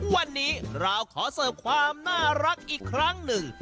วันนี้เราขอเสิร์ฟความน่ารักอีกครั้งหนึ่ง